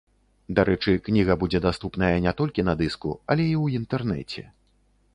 Дарэчы, кніга будзе даступная не толькі на дыску, але і ў інтэрнэце.